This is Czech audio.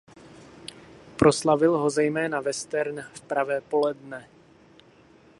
Proslavil ho zejména western "V pravé poledne".